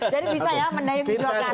jadi bisa ya mendayung di dua karang ya